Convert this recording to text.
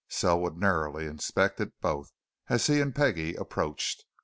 Selwood narrowly inspected both, as he and Peggie approached.